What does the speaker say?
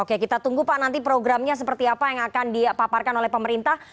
oke kita tunggu pak nanti programnya seperti apa yang akan dipaparkan oleh pemerintah